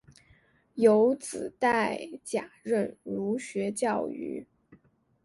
有子戴槚任儒学教谕。